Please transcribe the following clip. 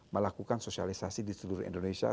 melakukan sosialisasi di seluruh indonesia